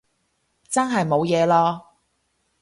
真係冇嘢囉